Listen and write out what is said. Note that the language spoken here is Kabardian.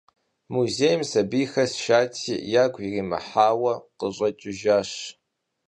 Музейм сабийхэр сшати, ягу иримыхьауэ къыщӏэкӏыжащ.